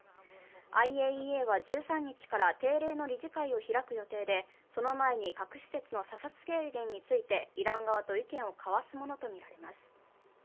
ＩＡＥＡは１３日から定例の理事会を開く予定で、その前に核施設の査察制限についてイラン側と意見を交わすものとみられます。